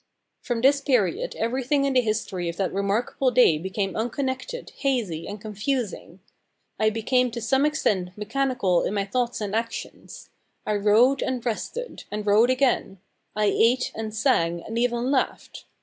From this period everything in the history of that remarkable day became unconnected, hazy, and confusing. I became to some extent mechanical in my thoughts and actions. I rowed and rested, and rowed again; I ate and sang, and even laughed.